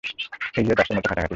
এইযে দাসের মত খাটাখাটি।